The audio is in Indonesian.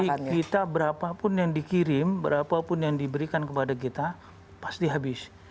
jadi kita berapapun yang dikirim berapapun yang diberikan kepada kita pasti habis